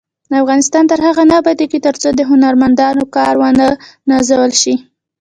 افغانستان تر هغو نه ابادیږي، ترڅو د هنرمندانو کار ونه نازول شي.